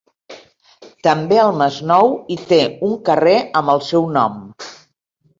També al Masnou hi té un carrer amb el seu nom.